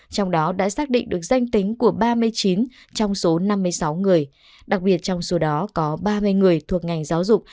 trong đó đã xác định được danh tính của ba mươi chín trong số năm mươi sáu người đặc biệt trong số đó có ba mươi người thuộc ngành giáo dục